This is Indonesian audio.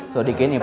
tau dikini bu